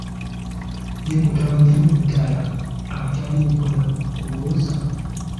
Ye mutabani we ddala ataliiko na kubuuza.